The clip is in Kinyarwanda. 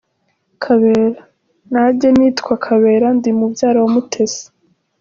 Kabera:Najye nitwa Kabera ndi mubyara w’Umutesi .